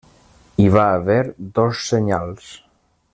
Hi va haver dos senyals.